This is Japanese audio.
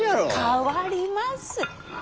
変わります。